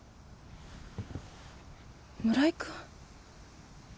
村井君？